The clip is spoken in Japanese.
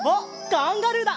カンガルーだ！